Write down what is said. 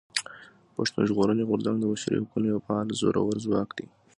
پښتون ژغورني غورځنګ د بشري حقونو يو فعال زورور ځواک دی.